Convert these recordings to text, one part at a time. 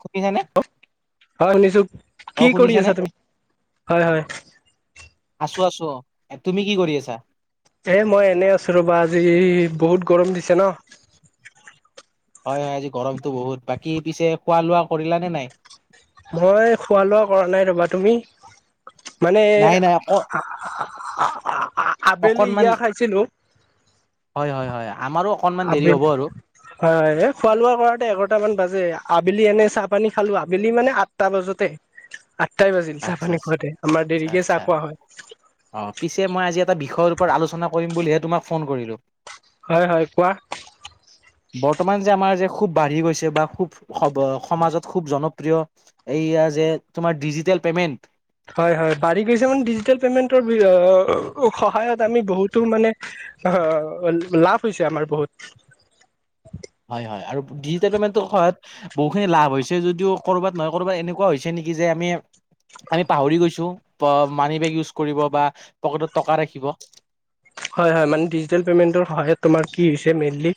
সুনিছানে? হয় হোনিচু কি কৰি আছা তুমি? হয় হয় আছো আছো অ তুমি কি কৰি আছা? এ মই এনে আছোঁ ৰ'বা আজি বহুত গৰম দিছে ন? হয় হয় আজি গৰমতটো বহুত বাকী পিছে খোৱা -লোৱা কৰিলা নে নাই? মই খোৱা- লোৱা কৰা নাই ৰবা। তুমি? মানে নাই নাই অক আবেলি অকনমান ইয়াৰ খাইছিলো। হয় হয় হয় আমাৰো অকনমান দেৰি আবিল হ'ব আৰু। হয় এই খোৱা- লোৱা কৰাতে এঘাৰটামান বাজে। আবেলি এনে চাহ পানী খালো আবেলি মানে আঠটা বজতে আ তাই বাজিল চাহ আচ্ছা পানী আচ্ছা খুৱাতে আমাৰ দেৰিকে চাহ আচ্ছা খোৱা হয়। অ পিছে মই আজি এটা বিষয়ৰ আলোচনা কৰিম বুলিহে তোমাক ফোন কৰিলো। হয় হয় কোৱা বৰ্তমান যে আমাৰ যে খুব বাঢ়ি গৈছে বা খো'ব স সমাজত ষোব জনপ্ৰিয় এইয়া যে তুমাৰ দিজিটেল পেমেণ্ট হয় হয় বাঢ়ি গৈছে মানে ডিজিটেল পেমেন্টৰ সহায়ত আমি বহুতো মানে অ লাভ হৈছে আমাৰ বহুত। হয় হয় আৰু ডিজিটেল পেমেণ্টৰয়ত বহুতখিনি লাভ হৈছে যদিও কৰ'বাত নহয় কৰ'বাত এনেকুৱা হৈছে নেকি নেকি যে আমি আমি পাহৰি গৈছো মানি বেগ ইউজ কৰিব বা পকেটত টকা ৰাখিব। হয় হয় মানে ডিজিটেল পেমেন্টৰ সহায়ত তোমাৰ কি হৈছে মেইনলি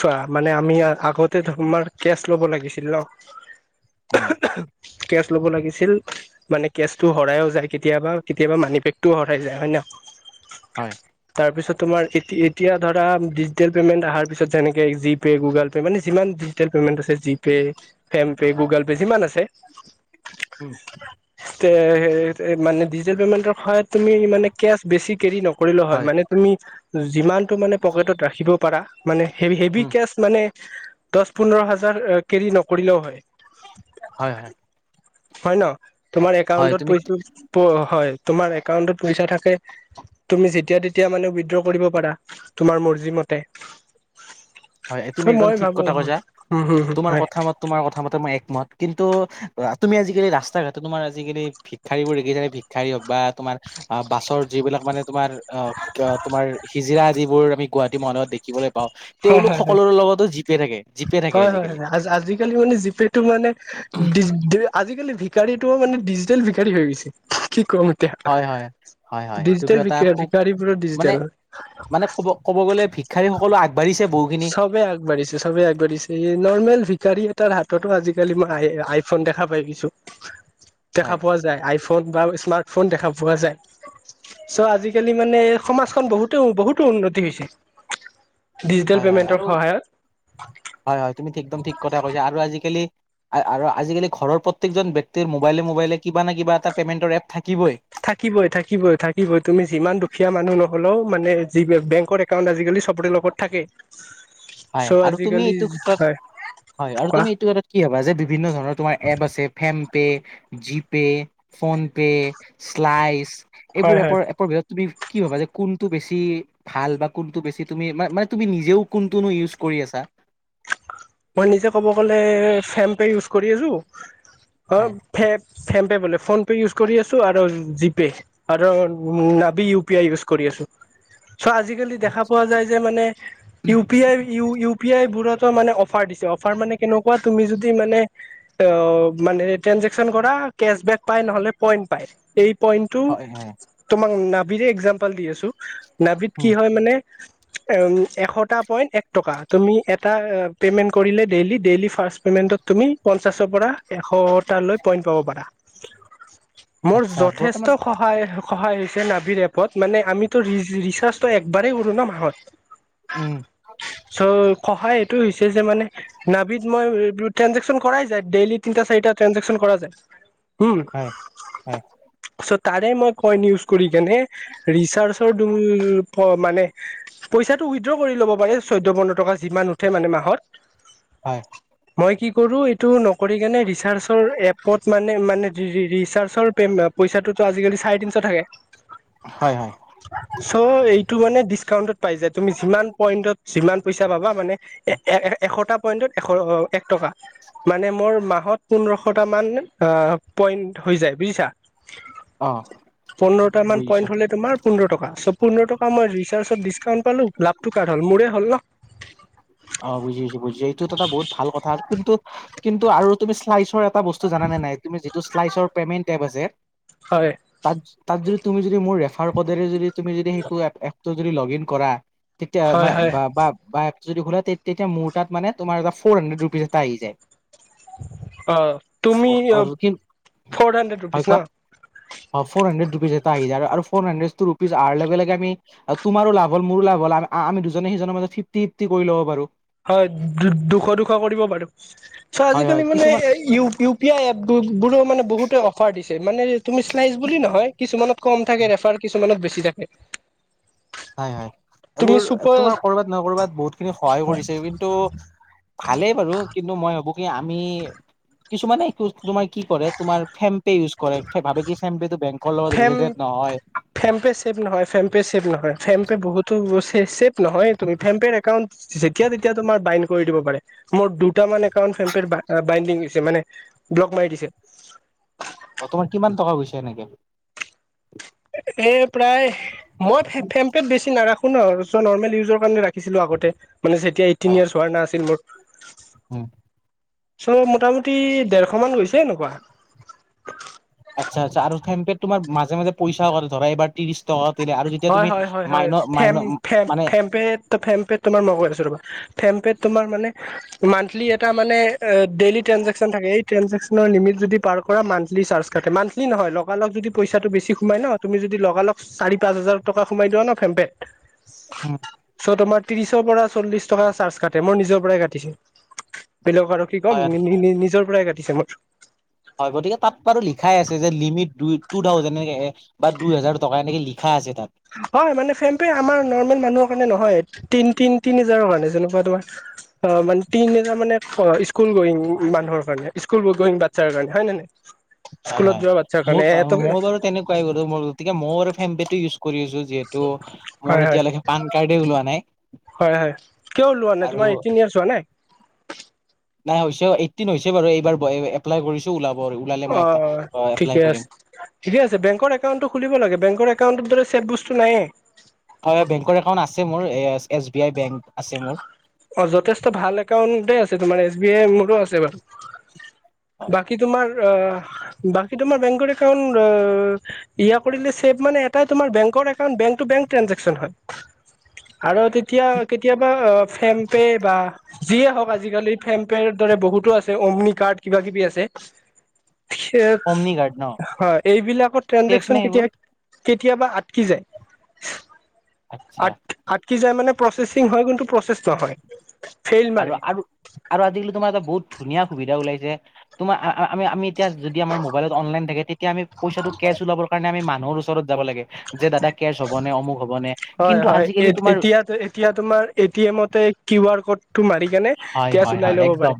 চোৱা মানে আমি আগতে আমাৰ কে'চ ল'ব লাগিছিল উম ন? কে'চ ল'ব লাগিছিল মানে কেছটো হৰাইও যায় কেতিয়াবা কেতিয়াবা মানি বেগটোও হৰাই যায় হয় নাই ক? হয়। তাৰপিছত তোমাৰ এতিয়া ধৰা ডিজিটেল পে'মেণ্ট আহাৰ পিছত যেনেকে জি পে', গুগল পে' মানে যিমান পেমেণ্ট আছে GPay, PhonePe, Google Pay যিমান আছে উম এ মানে ডিজিটেল পেমেন্টৰ সহায়ত তুমি মানে কেচ বেছি কেৰি নকৰিলেও হয়। মানে তুমি যিমানটো মানে পকেটত ৰাখিব পাৰা মানে হেভি উম কেচ মানে দহ পোন্ধৰ হাজাৰ কেৰি নকৰিলেও হয়। হয় হয়। হয় ন তোমাৰ হয় একাউন্টত তুমি পৈছো হয় তোমাৰ একাউণ্টত পইচা থাকে তুমি যেতিয়া তেতিয়া মানে উইড্ৰ কৰিব পাৰা তোমাৰ মৰ্জি মতে। হয় তুমি একদম মই ঠিক ভাবো কথা কৈছা। হম হম তোমাৰ হয় কথা মত তোমাৰ কথা মতে মই মাত কিন্তু অ তুমি আজি কালি ৰাস্তা ঘাটে তোমাৰ আজিকালি ভিক্ষাৰী বোৰ দেখিচানে ভিক্ষাৰী হওঁক বা তোমাৰ অ বাছৰ যিবিলাক মানে তোমাৰ অ তোমাৰ হিজিৰা যিবোৰ আমি গুৱাহাটী মহানগৰীত দেখিবলৈ পাওঁ হয় তেওঁলোক হয় হয় সকলোৰে লগতো জি'পে ন হয় হয় হয় আজিকালি মানে জিপেটো মানে আজিকালি বিখাৰীটো মানে ডিজিটেল বিখাৰী হৈ গৈছে কি কম এতিয়া। হয় হয় হয় হয় এইটোতো ডিজিটেল এটা খুব ভিকাৰীবোৰো মানে ডিজিটেল। মানে ক'ব ক'ব গ'লে ভিক্ষাৰী সকলো আগবাঢ়িছে বহুখিনি চবে আগবাঢ়িছে চবেই আগবাঢ়িছে নৰ্মেল ভিখাৰী তাৰ হাততো আজিকালি মই আ আইফোন দেখা পাই কিছু দেখা হয় পোৱা যায় আইফোন ফোন বা স্মাৰ্টফোন দেখা পোৱা যায়। চ' আজিকালি মানে সমাজখন বহুতো বহুতো উন্নতি হৈছে। হয় হয় পেমেন্টৰ আৰু সহায়ত হয় হয় তুমি ঠিক একদম ঠিক কথা কৈছা আৰু আজিকালি আজিকালি ঘৰৰ প্ৰটেক জন ব্যক্তিৰ মোবাইলে মোবাইলে কিবা ন কিবা এটা পেমেন্ট ৰ এপ থাক থাকিবই থাকিবই থাকিবই তুমি যিমান দুখীয়া মানুহ ন হ'লেও মানে যি বেংকৰ একাউন্ট আজিকালি চবৰে লগত থাকে। হয় চ' আৰু তুমি আজিকালি এইটো ক্ষেত্ৰত হয় হয় আৰু কোৱা তুমি এইটো ক্ষেত্ৰত কি হবা যে বিভিন্ন ধৰণৰ তোমাৰ এপ আছে PhonePe GPay PhonePe slice এইবোৰ হয় হয় এপৰ এপৰ তুমি কি ভাবা যে কোনটো বেছি ভাল বা কোনটো বেছি তুমি মানে তুমি নিজেও কোন নতুনো ইউজ কৰি আছা? মই নিজে ক'ব গ'লে চেম্পে ইউজ কৰিলোঁ অ হয় ফ ফেম্পে বোলে ফোন পে ইউজ কৰি আছোঁ আৰু জিপে আৰু নাবি ইউ পি আই ইজ কৰি আছোঁ। [unintelligible] চ' আজিকালি দেখা পোৱা যায় যে মানে ইউ পি আই ই ইউ পি আই বোৰতো মানে, অফাৰ দিছে অফাৰ মানে কেনেকুৱা, তুমি যদি মানে অ তেঞ্জেকশ্যন কৰা কেচ পেট নহ'লে পইন পাই পইন্ টো হয় হয় তোমাক নাবিড় একজাম্পল দি আছোঁ নাভিত কি উম, হয় মানে। উ এশটা পইন্ট এক টকা তুমি এটা পে'মেণ্ট কৰিলে ডেইলি ডেইলি ফাচ পে'মেণ্টত তুমি পঞ্চাছৰ পৰা। এশটা লৈ পইণ্ট পাব পাৰা মোৰ আচ্ছা বৰ্তমান যথেষ্ট সহায়। সহায় হৈছে নাভিৰ এপত মানে আমিতো ৰিচাৰ্জো একবাৰেই কৰোঁ ন মাহত উম, চ সহায় এইটো হৈছে। যে মানে নাভিত মই ট্ৰে্জেকশচন কৰাই যায় ডেইলি তিনিটা চাৰিটা ট্ৰে্জেকশচন কৰা যায়। উম হয়, হয়, চত তাৰে মই কইন ইউজ কৰি কেনে ৰিচাৰ্চৰ মানে পইচাটো উইড্ৰ কৰি ল'ব পাৰে চৈধ্য পোন্ধৰ টকা যিমান উঠে মানে মাহ ধৰ হয়, মই কি কৰোঁ এইটো নকৰি কেনে ৰিচাৰ্জ এপত মানে মানে ৰিচাৰ্জৰ পইচাটো টো আজিকালি চাৰে তিনিশ থাকে। হয় হয়। চ' এইটো মানে ডিচকাউণ্টত পাই যায় তুমি যিমান পইণ্টত যিমান পইচা পাবা মানে এ হয়। এ এশটা। পইনটোত এশ এক টকা মানে মোৰ মাহত পোন্ধৰশ টা মান আ পইট হৈ যায় বুইছা অ', পোন্ধৰটা মান বুজিছো। পইন্ট হ'লে তোমাৰ পোন্ধৰ টকা চব। পোন্ধৰ টকা মই ৰিচাৰ্জত ডিছকাউণ্ট পালোঁ লাভটো কাৰ হ'ল মোৰে হ'ল ন। অ বুজিছোঁ বুজিছোঁ এইটোতো এটা বহুত ভাল কথা কিন্তু কিন্তু আৰু তুমি শ্লাইচৰ এ এটা বস্তু জানানে নাই তুমি যিটো শ্লাইচৰ পেমেন্ট এপ আছে। হয় তাত তাত যদি তুমি যদি মোৰ মোৰ‌ বোধেৰে যদি তুমি যদি সেইটো এপ এপ টো যদি লগ ইন‌ কৰা তেতিয়া হয় হয় বা বা যদি বোলে তে তেতিয়া মোৰ তাত মানে তোমাৰ এটা ফ'ৰ হাণ্ড্ৰেড ৰুপিচ এটা আহি যায়। অ তুমি আৰু কি ফৰ হাণ্ড্ৰেড ৰুপিছ কোৱা না। হয় ফৰ হান্ড্ৰেড ৰুপিজ এটা আহি যায় আৰু ফ'ৰ হান্ড্ৰেতটো ৰুপিজ আহাৰ লগে লগে আমি তোমাৰ লাভ হ'ল মোৰো লা আ আমি দুজনে সিজনৰ মাজত ফিফটি ফিফটি কৰি লব পাৰো। হয় দু দুশ দুশ কৰিব পাৰো চ' হয় হয় আজিকালি মানে কিছুমান ই ইউ পি আই এপটোত বোলো মানে বহুতে অফাৰ দিছে মানে তুমি শ্লাইচ বুলি নহয় কিছুমানত কম থাকে ৰেফাৰ কিছুমানত বেছি থাকে। হয় হয় তুমি এইবোৰ চুপাৰ তোমাৰ কৰবাত নহয় কৰবাত বহুত খিনি সহায় কিন্তু ভালেই বাৰু কিন্তু মই ভাবো কি আমি কিছুমানে তোমাৰ কি কৰে তোমাৰ ফেম্পে ইউজ কৰে ভাবে কি ফেম্পে ফেম ফেম্পে চেভ নহয় ফেম্পে চেভ নহয় ফেম পে' বহুতো চে ছেফ নহয় তুমি ফেম পেৰ একাউণ্ট যেতিয়া তেতিয়া তোমাৰ বাইনড কৰি দিব পাৰে মোৰ দুটা মান একাউট ফেম পেৰ বাইণ্ডিং হৈছে। মানে ব্লগ মাৰি দিছে। অ তোমাৰ কিমান টকা গৈছা এনেকে? এ প্ৰায় মই ফেমপেত বেছি নাৰাখো। নৰ্মেল ইউজৰ কাৰণে ৰাখিছিলো আগতে। মানে যেতিয়া এইটিন হয় ইয়াৰ্চ হোৱা নাছিল মোৰ। উম চব মোটামুটি ডেৰশ মান গৈছে এনেকুৱা। আচ্ছা আচ্ছা আৰু ফেম পেট তোমাৰ মাজে মাজে পইচাও কাটে ধৰা এইবাৰ ত্ৰিশ টকা। দিলে আৰু যেতিয়া হয় তুমি হয় হয় হয় মাইন মাইন ফেম ফেম‌ মানে ফেমপে ফেমপেত তোমাৰ মই কৈ আছো ৰবা ফেমপেত তোমাৰ মানে মান্থলি এটা মানে ডেইলি ট্ৰেঞ্জেকচন থাকে এই ট্ৰেঞ্জেকচনৰ লিমিট যদি পাৰ মান্থলি চাৰ্জ কাটে মান্থলি নহয় লগালগ যদি পইচাটো বেছি সোমাই ন তুমি যদি লগালগ চাৰি পাঁচ হাজাৰ টকা সোমাই দিয়া না ফোনপেত উম চ তোমাৰ ত্ৰিশৰ পৰা চল্লিশ টকা চাৰ্জ কাটে মোৰ নিজৰ পৰাই কাটিছে। বেলেগ আৰু কি ক'ম হয় নি নিজৰ পৰাই কাটিছে মোৰ হয় গতিকে তাত বাৰু লিখাই আছে যে লিমিট দুই টু থাউজেণ্ড এনেক বা দুই হাজাৰ টকা এনেকে লিখা আছে। তাত হয় মানে ফেম্পে আমাৰ নৰ্মেল মানুহৰ কাৰণে নহয়। তিন তিন তিনি হাজাৰৰ কাৰণে যেনেকুৱা তোমাৰ অ মানে তিনি হেজাৰ মানে স্কুল গোইং মানুহৰ কাৰণে স্কুল গোইং বাচ্ছাৰ কাৰণে হয় নে নাই। হয় স্কুলত হয় যোৱা বাচ্ছাৰ মোৰ কাৰণে এটো মোৰ বাৰু তেনেকুৱাই গতিকে মোৰ ফেম পে টো ইউজ কৰি আছো যিহেতু হয় মোৰ হয় এতিয়ালৈকে পান কাৰ্ডে ওলোৱা নাই। হয় হয় কিয় লোৱা নাই আৰু তোমাৰ এইতিন ইয়াৰ্চ হোৱা নাই। নাই হৈছে এইটিন হৈছে বাৰু এইবাৰ এপ্লাই কৰিছো ওলাব। ওলালে মই অ এপ্লাই ঠিকে কৰিম আছে ঠিকে আছে বেংকৰ একাউণ্টটো খুলিব লাগে বেংকৰ একাউণ্টৰ দৰে চেভ বস্তু নাইয়ে। হয় বেংকৰ একাউণ্ট আছে মোৰ এছ বি আই বেংক আছে মোৰ। অ যথেষ্ট ভাল একাউণ্টেই আছে তোমাৰ এছ বি আই মোৰো আছে বাৰু। বাকী তোমাৰ। অ বাকী তোমাৰ বেংকৰ একাউণ্ট এয়া কৰিলে ছেভ মানে এটাই তোমাৰ বেংকৰ বেংকৰ একাউণ্ট বেংকটো বেংক ট্ৰেঞ্জেক্সন হয় আৰু তেতিয়া কেতিয়াবা ফেম পে' বা যিয়ে হওক আজিকালি ফেম পে'ৰ দৰে বহুতো আছে অম্নি কাৰ্ড কিবা কিবি আছে। [inaudible] অমনি গাৰ্ড ন হয় এইবিলাকৰ ছেফ নে ট্ৰেঞ্জেকচন সেইবোৰ কেতিয়া কেতিয়াবা আটকি যায়। আচ্ছা। কি যায় মানে প্ৰচেচিং হয় কিন্তু প্ৰচেছ নহয়। ফেইল আৰু মাৰে আৰু আৰু আজিকালি তোমাৰ এটা বহুত ধুনীয়া সুবিধা ওলাইছে তোমাৰ আমি আমি এতিয়া যদি আমাৰ মোবাইল অনলাইন থাকে তেতিয়া আমি পইচাটো কেছ উলাব কাৰণে আমি মানুহৰ ওচৰত যাব লাগে যে দাদা কেচ হ'বনে অমুক হ'বনে। হয় হয় এতিয়া এতিয়া তোমাৰ এ টি এমতে কিউ আৰ ক'ড টো মাৰি কেনে হয় কেছ হয় ওলাই হয় ল'ব একদম পাৰে।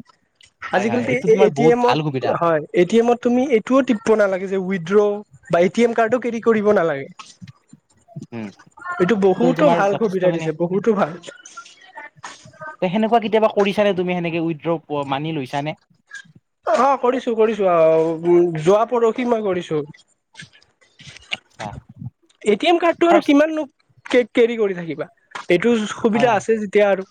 হয় আজিকালি হয় এইটো তো এ তোমাৰ টি বহুত ভাল এমত সুবিধা হয় এ টি এমত তুমি এইটোও টিপব নালাগে যে উইড্ৰ' বা এ টি এম কাৰ্ডো কেৰি কৰিব নালাগে। উম এইটো ত' বহুতো তোমাৰ ভাল সুবিধা যথেষ্টখিনি দিছে বহুতো ভাল নে তুমি সেনেকে উইড্ৰ মানি লৈচা নে? অ কৰিছো কৰিছো আহ উ যোৱা পৰহি মই কৰিছো। এটি এম কাৰ্ডটো আৰু ফাৰ্ষ্ট কিমান কেৰি কৰি থাকিবা। এইটো হয় সুবিধা হয় আছে যেতিয়া আৰু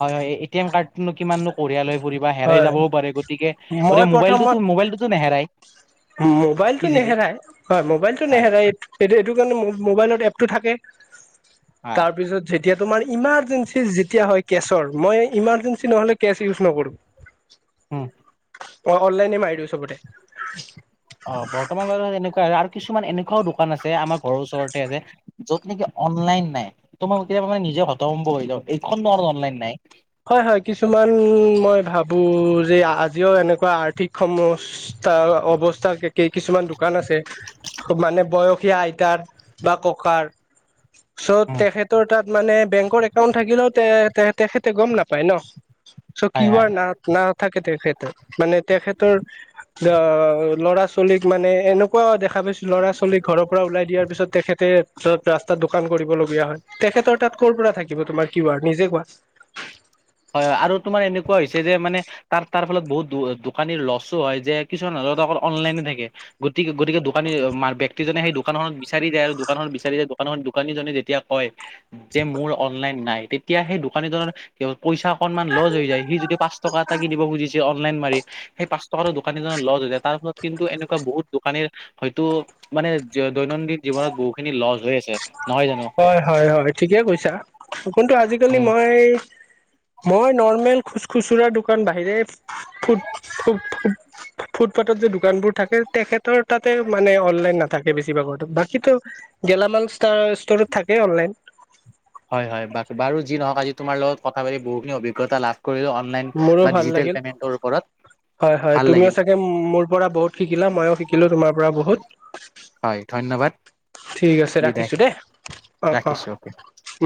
হয় হয় এ টি এম কাৰ্ডটো কিমাননো কঢ়িয়াই লৈ ফুৰিবা হেৰাই হয় যাবও পাৰে গতিকে গ মোবাইলটোতো মোবাইলটোতো নেহেৰাই মোবাইলতটো ইজিলি নেহেৰাই হয় মোবাইলটো হয় নেহেৰাই এইটো এইটো মই মবাইলত এপটো থাকে হয় তাৰপিছত যেতিয়া তোমাৰ ই ' ইমাৰজেঞ্চ যেতিয়া হ‌য় কেজৰ মই ইমাৰ্জেঞ্চি নহলে কেজ ইউচ নকৰো। উম! অই অনলাইনে মাৰি দিওঁ চবতে। অ বৰ্তমান তেনেকুৱা আৰু কিছুমান এনেকুৱাও দোকান আছে আমাৰ ঘৰৰ ওচৰতে আছে য'ত নেকি অনলাইন নাই তোমাক কেতিয়াবা। নি হতমও এইখনো অনলাইন নাই। হয় হয় কিছুমান মই ভাবো যে আজিও এনেকুৱা আৰ্থিক সম। অৱস্থ কিছুমান দোকান, আছে মানে বয়সীয়া আইতাৰ বা, ককাৰ, [unintelligible] চ' তেখেতৰ তাত মানে বেংকৰ একাউণ্ট থাকিলেও তে তেখেতে গম নাপায় ন। চ' হয় কিউৱা হয় না নাথাকে তেখেত মানে তেখেতৰ অ ল'ৰা ছোৱালীক মানে এনেকুৱা দেখা পাইছো, ছোৱলী ঘৰৰ পৰা ওলাই দিয়াৰ পিছত তেখেতে ৰাস্তাত দোকান কৰিবলগীয়া হয়। তেখেতৰ তাত কৰ' পৰা থাকিব তোমাৰ কিউৱা নিজে কোৱা? হয় আৰু তোমাৰ এনেকুৱা হৈছে যে মানে তাৰ তাৰ ফলত বহুত দোকানীৰ লছো হয় যে কিছুমান অনলাইন নাথাকে গতিকে গতিকে দোকানী- জনে সেই দোকানখনত বিচাৰি দে আৰু দোকানখনত বিচাৰি দে দোকানত দোকানীজনে যেতিয়া কয় যে মোৰ অনলাইন নাই তেতিয়া সেই দোকানীজনৰ পইচা অকনমান লছ হৈ যায় সি যদি পাঁচ টকা এটা কিনিব খুজিছে অনলাইন মাৰি সেই পাঁচ টকাটো দোকানী এনৰ লছ হৈ যায় তাৰ ফলত কিন্তু এনেকুৱা বহুত দোকানীৰ হয়তো মানে দৈনন্দিন জীৱনত বহু খিনি লছ হৈ আছে। নহয় জানো হয়, হয়, হয় ঠিকেই কৈছা কিন্তু আজিকালি উম মই মই নৰ্মেল খোচ খুচৰাৰ দোকান বাহিৰে ফু ফ ত যে দোকানবোৰ থাকে তেখেতৰ তাতে মানে অনলাইন নাথাকে বেছিভাগেই বাকী গেলামাল ষ্টৰত থাকে অনলাইন। হয় হয় বা বাৰু যি নহওক আজি তোমাৰ লগত কথা পাতি বহুখিনি অভিজ্ঞতা অনলাইন মোৰো বা ভাল ডিজিটেল লাগিল পেমেন্ৰ ওপৰত। হয়, হয় ভাল তুমিও লাগিল চাগে মোৰ পৰা বহুত শিকিলা ময়ো শিকিলো তোমাৰ পৰা বহুত হয় ধন্যবাদ। ঠিক আছে বিদায় ৰাখিছো দে অ' অ ৰাখিছোঁ।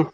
উম!